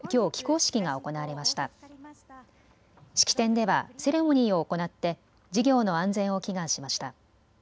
式典ではセレモニーを行って事業の安全を祈願しました。